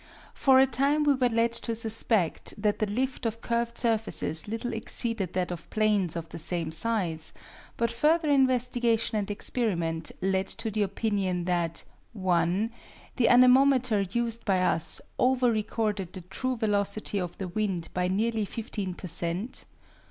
For a time we were led to suspect that the lift of curved surfaces little exceeded that of planes of the same size, but further investigation and experiment led to the opinion that (1) the anemometer used by us over recorded the true velocity of the wind by nearly 15 per cent.